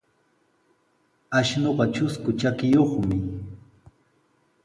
Ashnuqa trusku trakiyuqmi.